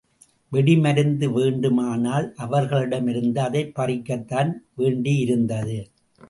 வெடிமருந்து வேண்டுமானால் அவர்களிடமிருந்து அதைப் பறிக்கத்தான் வேண்டியிருந்தது.